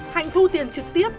hạnh thu tiền trực tiếp